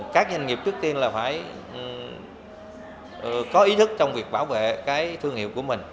các doanh nghiệp trước tiên là phải có ý thức trong việc bảo vệ thương hiệu